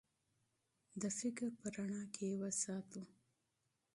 د فکر په رڼا کې یې وساتو.